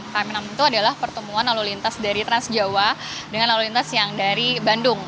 kami enam itu adalah pertemuan lalu lintas dari transjawa dengan lalu lintas yang dari bandung